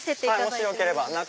もしよければ中。